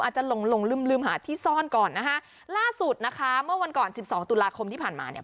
จะหลงหลงลืมลืมหาที่ซ่อนก่อนนะคะล่าสุดนะคะเมื่อวันก่อนสิบสองตุลาคมที่ผ่านมาเนี่ย